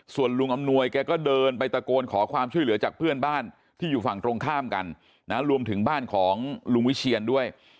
ส่วนลุงอำนวยแกก็เดินไปตะโกนขอความช่วยเหลือจากเพื่อนบ้านที่อยู่ฝั่งตรงข้ามกันนะรวมถึงบ้านของลุงวิเชียนด้วย